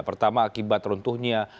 pertama akibat runtuhnya